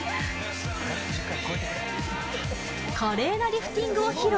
華麗なリフティングを披露。